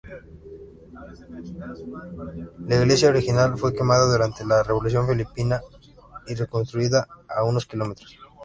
La iglesia original fue quemada durante la Revolución Filipina y reconstruida a unos kilómetros.